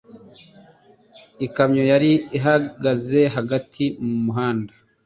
Ikamyo yari ihagaze hagati mu muhanda.